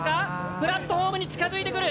プラットホームに近づいてくる。